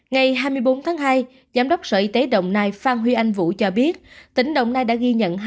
ngày hai mươi bốn tháng hai giám đốc sở y tế đồng nai phan huy anh vũ cho biết tỉnh đồng nai đã ghi nhận